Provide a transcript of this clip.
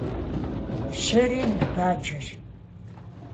Щыри ныбаджэщ.